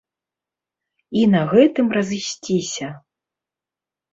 І на гэтым разысціся.